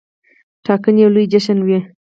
ټاکنې یو لوی جشن وي.